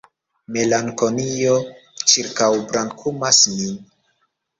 Melankolio ĉirkaŭbrakumas min.